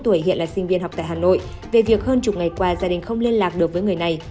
hai mươi một tuổi hiện là sinh viên học tại hà nội về việc hơn chục ngày qua gia đình không liên lạc được với người này